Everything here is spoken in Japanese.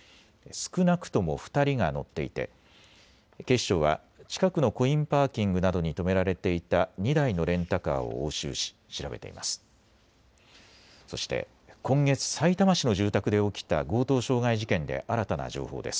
少なくとも２人が乗っていて警視庁は近くのコインパーキングなどに止められていた２台のレンタカーを押収し調べています。